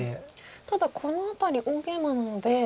ただこの辺り大ゲイマなので。